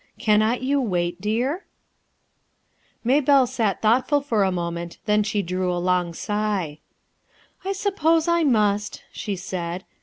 Cannot you wait, clear ?" m RUTH ERSKINE'S SON Maybcfle sat thoughtful for a moment, then she drew a long sigh. "I suppose I must," she said.